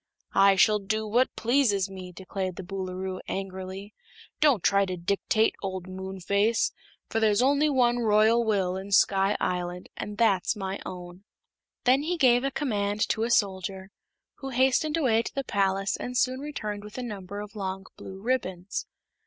"I shall do what pleases me," declared the Boolooroo, angrily. "Don't try to dictate, old Moonface, for there's only one Royal Will in Sky Island, and that's my own." He then gave a command to a soldier, who hastened away to the palace and soon returned with a number of long blue ribbons.